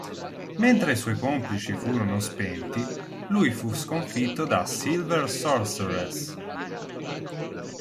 Mentre i suoi complici furono spenti, lui fu sconfitto da Silver Sorceress.